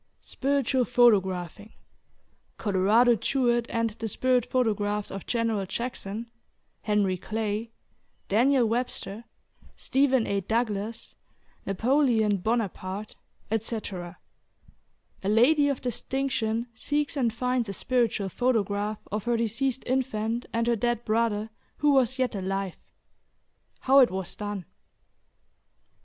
SPIRITUAL PHOTOGRAPHING. COLORADO JEWETT AND THE SPIRIT PHOTOGRAPHS OF GENERAL JACKSON, HENRY CLAY, DANIEL WEBSTER, STEPHEN A. DOUGLAS, NAPOLEON BONAPARTE, ETC. A LADY OF DISTINCTION SEEKS AND FINDS A SPIRITUAL PHOTOGRAPH OF HER DECEASED INFANT, AND HER DEAD BROTHER WHO WAS YET ALIVE. HOW IT WAS DONE.